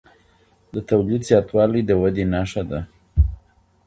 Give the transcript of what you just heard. د تولید زیاتوالی د ودي نښه ده.